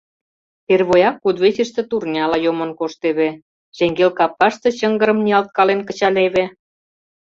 Первояк кудывечыште турняла йомын коштеве, шеҥгел капкаште чыҥгырым ниялткален кычалеве.